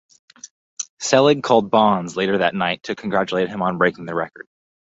Selig called Bonds later that night to congratulate him on breaking the record.